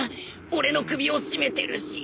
俺の首を絞めてるし。